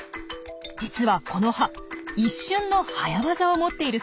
実はこの葉一瞬の早ワザを持っているそう。